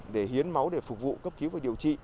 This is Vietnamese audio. để hiến máu để phục vụ cấp cứu và điều trị